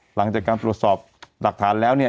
หลังจากการตรวจสอบหลักฐานแล้วเนี่ย